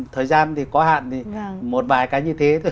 thời gian thì có hạn thì một vài cái như thế